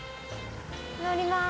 乗ります。